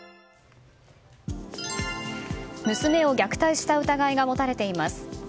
娘を虐待した疑いが持たれています。